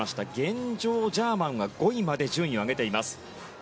現状、ジャーマンが５位まで順位を上げています。